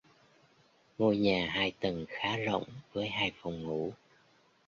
Ngôi nhà hai tầng khá rộng với Hai Phòng ngủ